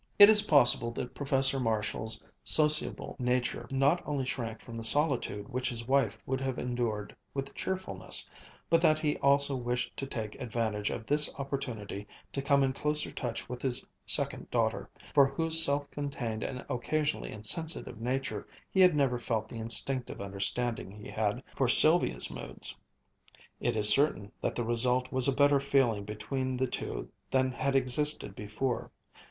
It is possible that Professor Marshall's sociable nature not only shrank from the solitude which his wife would have endured with cheerfulness, but that he also wished to take advantage of this opportunity to come in closer touch with his second daughter, for whose self contained and occasionally insensitive nature he had never felt the instinctive understanding he had for Sylvia's moods. It is certain that the result was a better feeling between the two than had existed before.